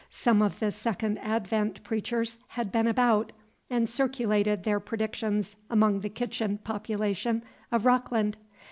Some of the Second Advent preachers had been about, and circulated their predictions among the kitchen population of Rockland.